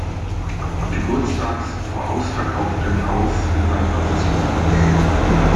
Geburtstags vor ausverkauftem Haus in San Francisco auf.